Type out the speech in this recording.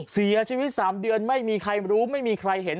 เสียชีวิต๓เดือนไม่มีใครรู้ไม่มีใครเห็น